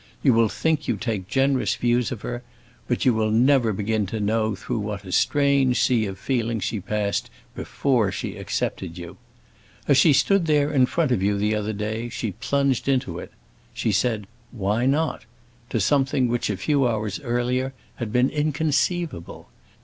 You will think you take generous views of her; but you will never begin to know through what a strange sea of feeling she passed before she accepted you. As she stood there in front of you the other day, she plunged into it. She said 'Why not?' to something which, a few hours earlier, had been inconceivable.